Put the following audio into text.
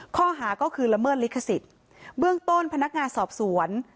ข้อหาก็คือละเมิดลิขสิทธิ์เบื้องต้นพนักงานสอบสวน